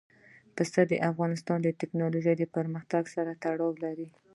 پسه د افغانستان د تکنالوژۍ پرمختګ سره تړاو لري.